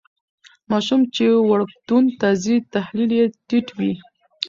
ماشوم چې وړکتون ته ځي تحلیل یې ټیټ وي.